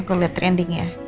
aku liat trendingnya